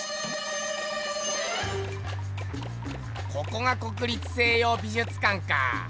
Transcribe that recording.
ここが国立西洋美術館か。